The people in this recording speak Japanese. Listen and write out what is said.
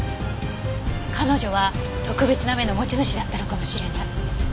彼女は特別な目の持ち主だったのかもしれない。